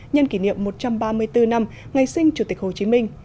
nhân kỷ niệm một trăm ba mươi bốn năm ngày sinh chủ tịch hồ chí minh